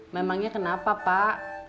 memangnya kenapa pak